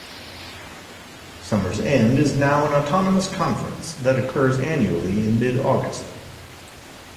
Summer's End is now an autonomous conference that occurs annually in mid-August.